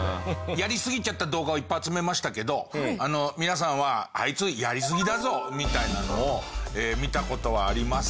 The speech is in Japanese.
やりすぎちゃった動画をいっぱい集めましたけど皆さんはあいつやりすぎだぞみたいなのを見た事はありますか？